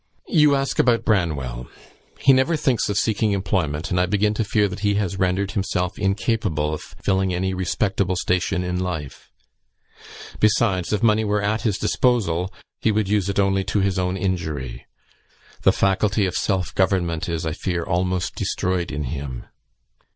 You ask about Branwell; he never thinks of seeking employment, and I begin to fear that he has rendered himself incapable of filling any respectable station in life; besides, if money were at his disposal, he would use it only to his own injury; the faculty of self government is, I fear, almost destroyed in him.